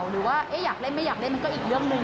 หรือว่าอยากเล่นไม่อยากเล่นมันก็อีกเรื่องหนึ่ง